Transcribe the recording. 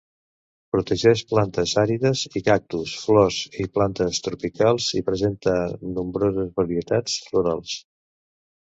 Protegeix plantes àrides i cactus, flors i plantes tropicals i presenta nombroses varietats florals.